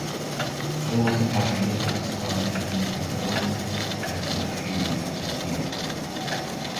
Große Teile der australischen Förderung werden nach China exportiert.